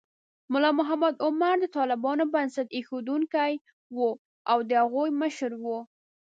ملا محمد عمر د طالبانو بنسټ ایښودونکی و او د هغوی مشر و.